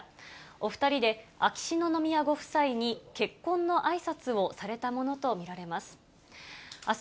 お２人で秋篠宮ご夫妻に結婚のあいさつをされたものと見られます。